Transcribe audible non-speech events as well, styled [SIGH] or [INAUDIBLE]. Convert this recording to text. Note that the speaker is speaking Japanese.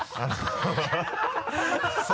ハハハ [LAUGHS]